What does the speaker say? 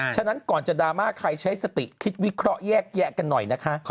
ฉะนั้นก่อนจะดราม่าใครใช้สติคิดวิเคราะห์แยกแยะกันหน่อยนะคะ